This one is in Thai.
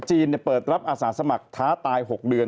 เปิดรับอาสาสมัครท้าตาย๖เดือน